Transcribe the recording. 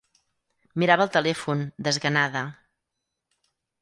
Mirava el telèfon, desganada.